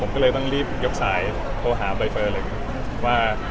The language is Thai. ให้เป็นโอกาสของผมแล้ว